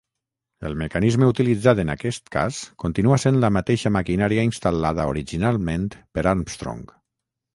El mecanisme utilitzat en aquest cas continua sent la mateixa maquinària instal·lada originalment per Armstrong.